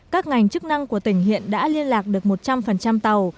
các ngành chức năng của tỉnh hiện đã liên lạc được một trăm linh tàu